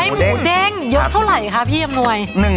ใช้หมูเด้งเยอะเท่าไรคะพี่ยามหน่วย